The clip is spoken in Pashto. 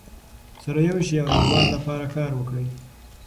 سره یو شئ او د هېواد لپاره کار وکړئ.